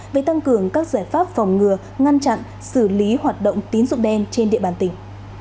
về tăng cường các giải pháp phòng ngừa ngăn chặn xử lý hoạt động tín dụng đen trên địa bàn tỉnh